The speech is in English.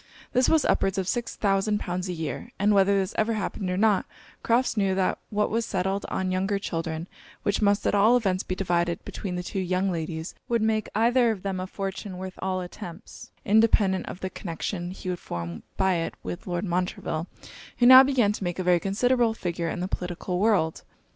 This was upwards of six thousand pounds a year; and whether this ever happened or not, Crofts knew that what was settled on younger children, which must at all events be divided between the two young ladies, would make either of them a fortune worth all attempts, independent of the connection he would form by it with Lord Montreville, who now began to make a very considerable figure in the political world.